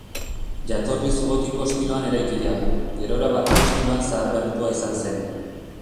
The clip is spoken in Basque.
Jatorriz gotiko estiloan eraikia, gerora barroko estiloan zaharberritua izan zen.